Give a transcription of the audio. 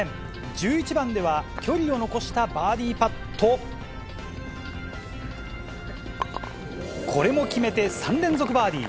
１１番では、距離を残したバーディーパット。これも決めて、３連続バーディー。